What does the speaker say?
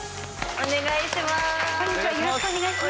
お願いします。